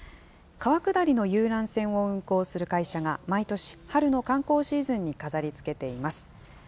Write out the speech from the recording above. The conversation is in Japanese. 川下りの遊覧船を運航する会社が、毎年春の観光シーズンに飾りつけています。